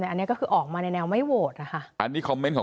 แต่อันนี้ก็คือออกมาในแนวไม่โหวตนะคะอันนี้คอมเมนต์ของ